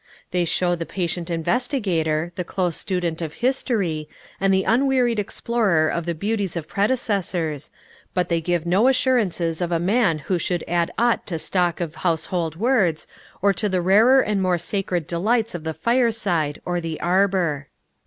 They show the patient investigator, the close student of history, and the unwearied explorer of the beauties of predecessors, but they give no assurances of a man who should add aught to stock of household words, or to the rarer and more sacred delights of the fireside or the arbor.